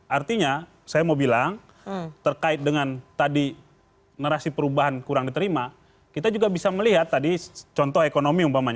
artinya saya mau bilang terkait dengan tadi narasi perubahan kurang diterima kita juga bisa melihat tadi contoh ekonomi umpamanya